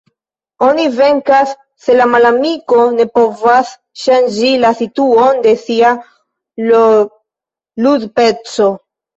Oni venkas se la malamiko ne povas ŝanĝi la situon de sia L-ludpeco.